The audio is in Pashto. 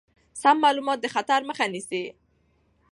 سم معلومات د خطر مخه نیسي.